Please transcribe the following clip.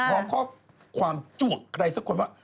พร้อมข้อความจวกใครสักคนว่า